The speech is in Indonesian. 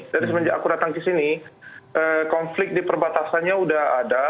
jadi semenjak aku datang ke sini konflik di perbatasannya udah ada